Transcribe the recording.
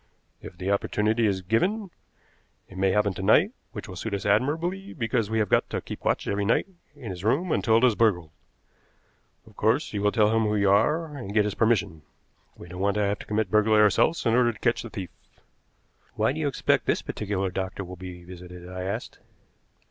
If the opportunity is given, it may happen to night, which will suit us admirably, because we have got to keep watch every night in his room until it is burgled. Of course, you will tell him who you are, and get his permission. We don't want to have to commit burglary ourselves in order to catch the thief." "Why do you expect this particular doctor will be visited?" I asked.